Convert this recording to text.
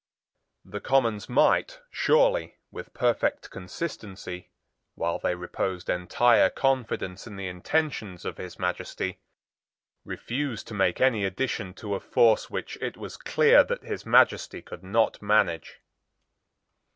The Commons might surely, with perfect consistency, while they reposed entire confidence in the intentions of His Majesty, refuse to make any addition to a force which it was clear that His Majesty could not manage.